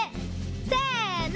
せの！